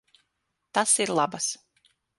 Tas ir labas.